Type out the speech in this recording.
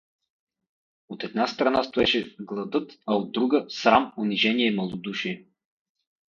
От една страна, стоеше гладът, а, от друга — срам, унижение и малодушие.